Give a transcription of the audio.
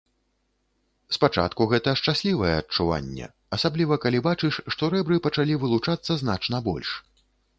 Спачатку гэта шчаслівае адчуванне, асабліва калі бачыш, што рэбры пачалі вылучацца значна больш.